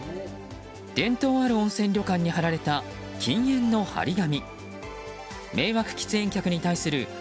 伝統ある温泉旅館に貼られた禁煙の貼り紙。